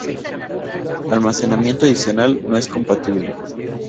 Almacenamiento adicional no es compatible.